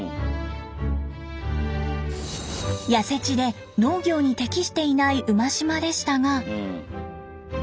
痩せ地で農業に適していない馬島でしたが。